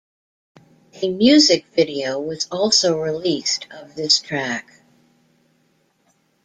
A music video was also released of this track.